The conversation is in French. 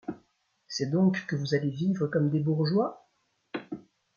C’est donc que vous allez vivre comme des bourgeois ?...